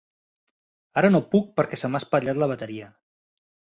Ara no puc perquè se m'ha espatllat la bateria.